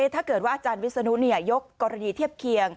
ถ้าเกิดว่าอาจารย์วิศนุยกกรณีเทียบเคียง